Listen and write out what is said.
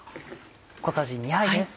小さじ２杯です。